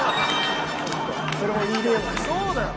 そうだよ！